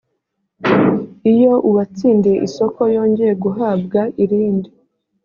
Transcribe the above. iyo uwatsindiye isoko yongeye guhabwa irindi